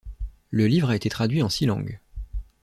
Le livre a été traduit en six langues.